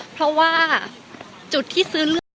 เพราะว่าจุดที่ซื้อเลือด